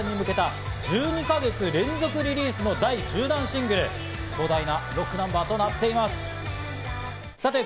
２０２３年の解散に向けた１２か月連続リリースの第１０弾シングル、壮大なロックナンバーとなっています。